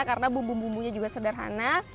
karena bumbu bumbunya juga sederhana